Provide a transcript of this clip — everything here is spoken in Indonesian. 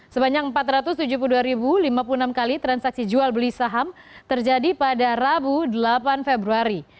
sebanyak empat ratus tujuh puluh dua lima puluh enam kali transaksi jual beli saham terjadi pada rabu delapan februari